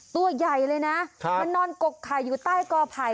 ตัวใหญ่เลยนะมันนอนกกไข่อยู่ใต้กอไผ่